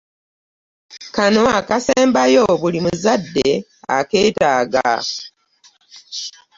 Kano akasembayo buli muzadde akeetaaga.